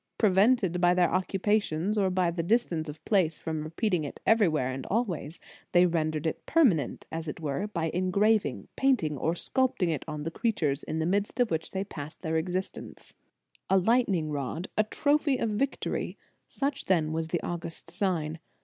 Prevented by their occupations, or by distance of place, from repeating it everywhere and always, In the Nineteenth Century. 225 they rendered it permanent, as it were, by engraving, painting, or sculpturing it on the creatures in the midst of which they passed their existence. A lightning rod, a trophy of victory; such then was the august sign.